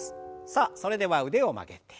さあそれでは腕を曲げて。